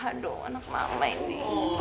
haduh anak mama ini